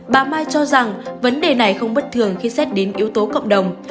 bà mai cho rằng vấn đề này không bất thường khi xét đến yếu tố cộng đồng